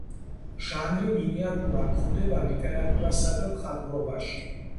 ჟანრი მინიატურა გვხვდება ლიტერატურასა და მხატვრობაში.